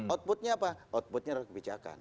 outputnya apa outputnya adalah kebijakan